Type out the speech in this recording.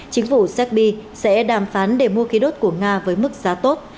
chính phủ serbi sẽ đàm phán để mua khí đốt của nga với mức giá tốt